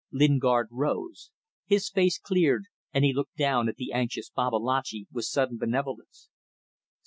Lingard rose. His face cleared, and he looked down at the anxious Babalatchi with sudden benevolence.